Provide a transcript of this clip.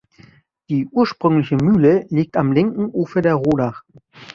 Die ursprüngliche Mühle liegt am linken Ufer der Rodach.